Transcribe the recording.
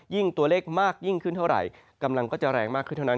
ตัวเลขมากยิ่งขึ้นเท่าไหร่กำลังก็จะแรงมากขึ้นเท่านั้น